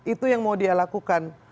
itu yang mau dia lakukan